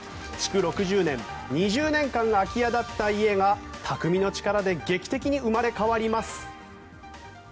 築６０年２０年間空き家だった家が匠の力で劇的に生まれ変わります。